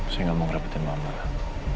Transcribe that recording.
saya nggak mau ngerepetin mama lah